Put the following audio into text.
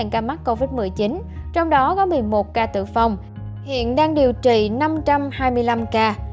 sáu ca mắc covid một mươi chín trong đó có một mươi một ca tử phòng hiện đang điều trị năm trăm hai mươi năm ca